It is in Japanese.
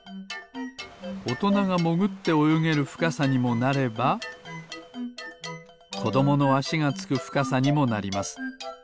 おとながもぐっておよげるふかさにもなればこどものあしがつくふかさにもなります。